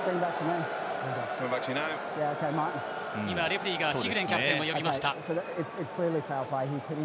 レフリーがシグレンキャプテンを呼びました。